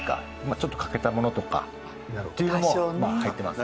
ちょっと欠けたものとかっていうのも入ってます。